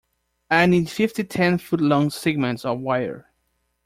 I need fifty ten-foot-long segments of wire.